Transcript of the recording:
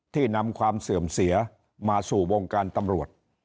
นำความเสื่อมเสียมาสู่วงการตำรวจ